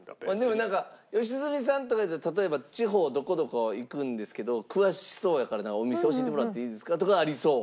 なんか良純さんとかやったら例えば地方どこどこ行くんですけど詳しそうやからお店教えてもらっていいですかとかはありそう。